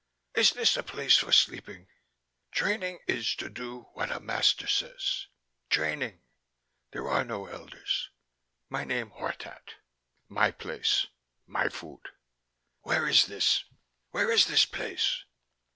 "Is this a place for sleeping?" "Training is to do what a master says. Training " "There are no elders. My name Hortat." "My place." "My food." "Where is this?" "Where is this place?"